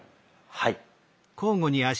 はい。